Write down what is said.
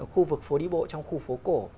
khu vực phố đi bộ trong khu phố cổ